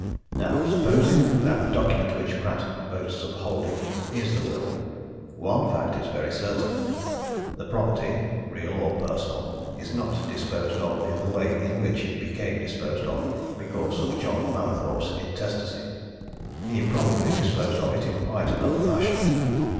Now, supposing that the document which Pratt boasts of holding is the will, one fact is very certain the property, real or personal, is not disposed of in the way in which it became disposed of because of John Mallathorpe's intestacy. He probably disposed of it in quite another fashion.